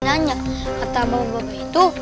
nanya kata bapak itu